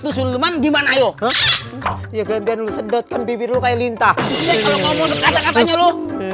ke siluman gimana yo ya gendeng sedotkan bibir lu kayak lintah kalau mau segata katanya lu